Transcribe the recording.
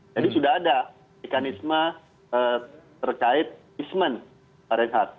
jadi sudah ada mekanisme terkait punishment